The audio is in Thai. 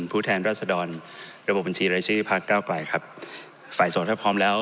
ผู้แทนรัฐศดรรยบบบัญชีรายชื่อภาทเก้ากลายครับฝ่ายโสถ์หากพร้อมแล้ว